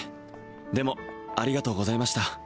でもありがとうございました